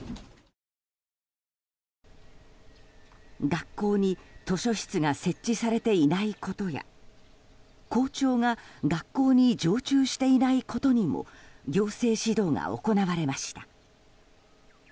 学校に図書室が設置されていないことや校長が学校に常駐していないことにも行政指導が行われました。